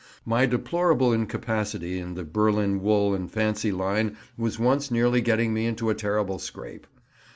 My deplorable incapacity in the Berlin wool and fancy line was once nearly getting me into a terrible scrape.